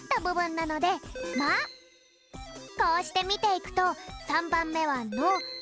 こうしてみていくと３ばんめは「の」。